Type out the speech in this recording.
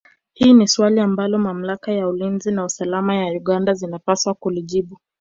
Hili ni swali ambalo mamlaka za ulinzi na usalama za Uganda zinapaswa kulijibu